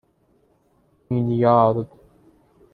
میلیارد